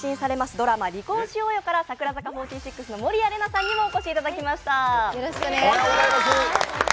ドラマ「離婚しようよ」から櫻坂４６の守屋麗奈さんにもお越しいただきました。